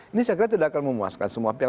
ini saya kira tidak akan memuaskan semua pihak